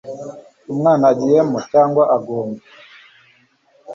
umwana agiyemo cyangwa agomba